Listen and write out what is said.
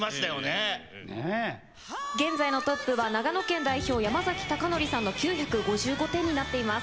現在のトップは長野県代表山崎貴記さんの９５５点になっています。